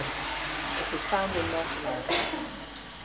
It is found in North America.